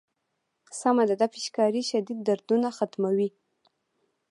سمه ده دا پيچکارۍ شديد دردونه ختموي.